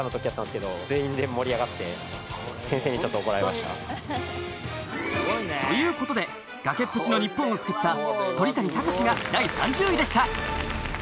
そして。という事で崖っぷちの日本を救った鳥谷敬が第３０位でした。